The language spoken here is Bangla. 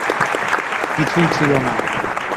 কিছুই ছিল না।